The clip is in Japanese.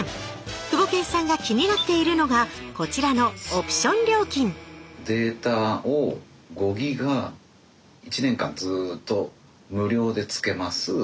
クボケンさんが気になっているのがこちらのオプション料金データを５ギガ１年間ずっと無料で付けます。